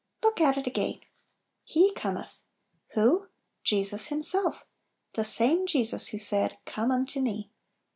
Look at it again: "J3fe cometh !" Who ? Jesus Himself, the "same Jesus" who said, "Come unto Me."